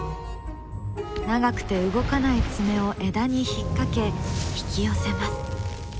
長くて動かない爪を枝に引っ掛け引き寄せます。